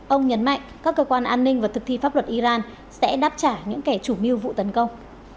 ông nhấn mạnh các cơ quan an ninh và thực thi pháp luật iran sẽ đáp trả những kẻ chủ mưu vụ tấn công